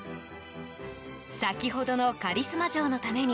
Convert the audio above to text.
先ほどのカリスマ嬢のために